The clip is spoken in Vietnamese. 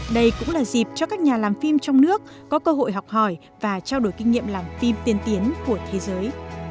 đây cũng là dịp cho các nhà làm phim trong nước có cơ hội học hỏi và trao đổi kinh nghiệm làm phim tiên tiến của thế giới